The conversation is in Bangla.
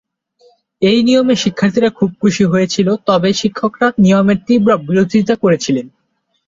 এই নিয়মে শিক্ষার্থীরা খুব খুশী হয়েছিল, তবে শিক্ষকরা নিয়মের তীব্র বিরোধিতা করেছিলেন।